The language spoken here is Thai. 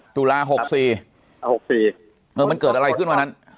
ตุลา๖๔๖๔เออมันเกิดอะไรขึ้นวันนั้น